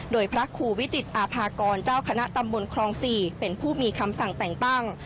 โดยพระครูวิจิตอาภากรเจ้าคณะตำบลครอง๔เป็นผู้มีคำสั่งแต่งตั้ง